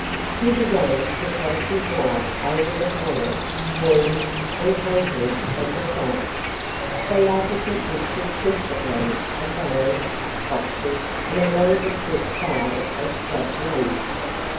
He began to flash his light over the floor, walls, and contents of the cellar. The latter consisted principally of barrels, boxes and a nondescript pile of scrap lumber.